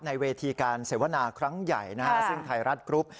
ในเวทีการเสวนาครั้งใหญ่ซึ่งไทยรัฐกรุ๊ป